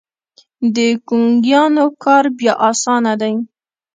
د ګونګيانو کار بيا اسانه دی.